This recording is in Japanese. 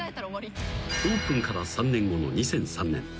［オープンから３年後の２００３年］